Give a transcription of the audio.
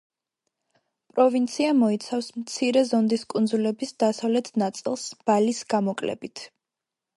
პროვინცია მოიცავს მცირე ზონდის კუნძულების დასავლეთ ნაწილს, ბალის გამოკლებით.